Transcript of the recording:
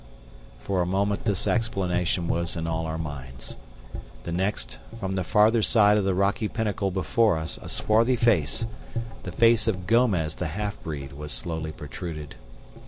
For a moment this explanation was in all our minds. The next, from the farther side of the rocky pinnacle before us a swarthy face, the face of Gomez the half breed, was slowly protruded.